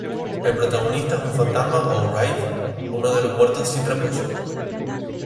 El protagonista es un fantasma o wraith, uno de los Muertos sin Reposo.